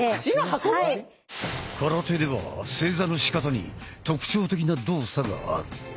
空手では正座のしかたに特徴的な動作がある。